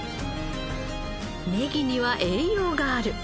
ネギには栄養がある。